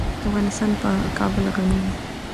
افغانستان په کابل غني دی.